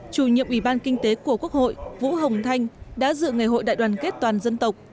chủ nhiệm ủy ban kinh tế của quốc hội vũ hồng thanh đã dự ngày hội đại đoàn kết toàn dân tộc